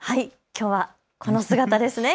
きょうはこの姿ですね。